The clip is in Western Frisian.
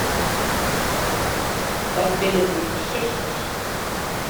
Dat binne myn suskes.